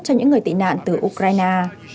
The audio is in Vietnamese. cho những người tị nạn từ ukraine